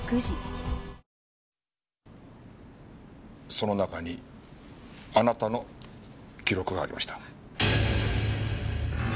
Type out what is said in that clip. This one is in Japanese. その中にあなたの記録がありました。